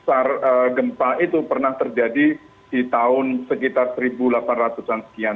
besar gempa itu pernah terjadi di tahun sekitar seribu delapan ratus an sekian